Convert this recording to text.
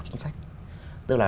chính sách tức là